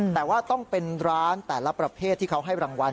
แต่ว่าต้องเป็นร้านแต่ละประเภทที่เขาให้รางวัล